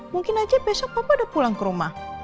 mungkin aja besok papa udah pulang ke rumah